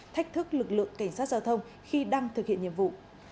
thách thức lực lượng cảnh sát giao thông khi đang thực hiện nhiệm vụ